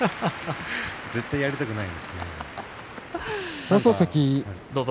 絶対やりたくないですね。